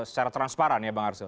secara transparan ya bang arsul